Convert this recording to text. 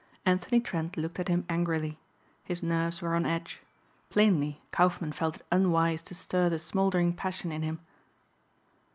Anthony Trent looked at him angrily. His nerves were on edge. Plainly Kaufmann felt it unwise to stir the smouldering passion in him.